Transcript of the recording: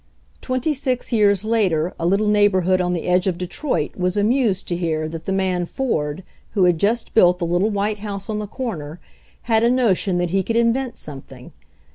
Twenty six years later a little neighborhood on the edge of Detroit was amused to hear that the man Ford who had just built the little white house on the corner had a notion that he could invent something.